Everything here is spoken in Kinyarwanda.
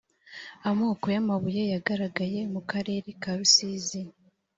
amoko y ‘amabuye yagaragaye mu karere karusizi.